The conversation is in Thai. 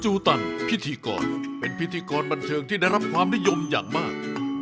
ตันพิธีกรเป็นพิธีกรบันเทิงที่ได้รับความนิยมอย่างมาก